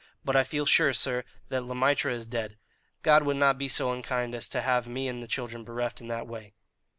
But I feel sure, sir, that Le Maître is dead. God would not be so unkind as to have me and the children bereft in that way."